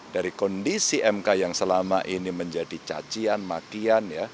dari kondisi mk yang selama ini menjadi cacian makian ya